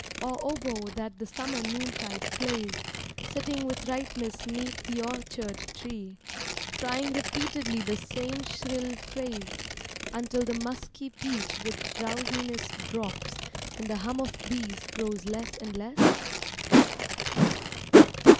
Or oboe that the Summer Noontide plays, Sitting with Ripeness 'neath the orchard tree, Trying repeatedly the same shrill phrase, Until the musky peach with drowsiness Drops, and the hum of bees grows less and less?